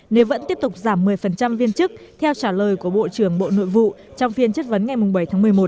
nếu vẫn tiếp tục giảm một mươi viên chức theo trả lời của bộ trưởng bộ nội vụ trong phiên chất vấn ngày bảy tháng một mươi một